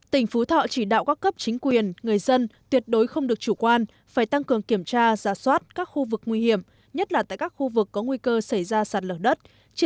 tỉnh phú thọ chỉ đạo các cấp chính quyền người dân tuyệt đối không được chủ quan phải tăng cường kiểm tra giả soát các khu vực nguy hiểm nhất là tại các khu vực có nguy cơ xảy ra sạt lở đất